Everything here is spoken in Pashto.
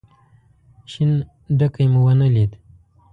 شين ډکی مو ونه ليد.